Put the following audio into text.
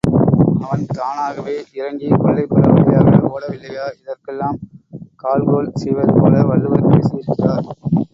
அவன் தானாகவே இறங்கிக் கொல்லைப்புற, வழியாக ஓடிவிடவில்லையா இதற்கெல்லாம் கால்கோள் செய்வதுபோல வள்ளுவர் பேசியிருக்கிறார்.